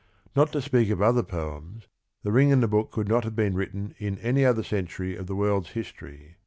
Not to speak of other poems, The Ring and the Book could not have been written in any other century of the world's history.